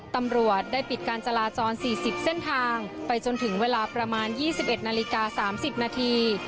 ตำรวจได้ปิดการจราจรสี่สิบเส้นทางไปจนถึงเวลาประมาณยี่สิบเอ็ดนาฬิกาสามสิบนาที